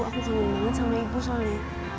aku seneng banget sama ibu soalnya